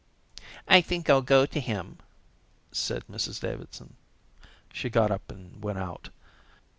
"I think I'll go to him," said Mrs Davidson. She got up and went out.